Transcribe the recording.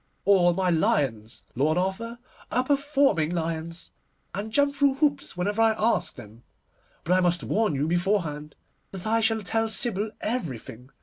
All my lions, Lord Arthur, are performing lions, and jump through hoops whenever I ask them. But I must warn you beforehand that I shall tell Sybil everything.